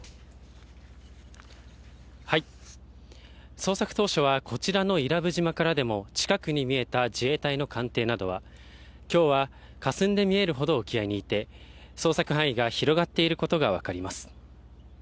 捜索当初はこちらの伊良部島からでも近くに見えた自衛隊の艦艇などは今日は、かすんで見えるほど沖合にいて、捜索範囲が広がっていることがわかります。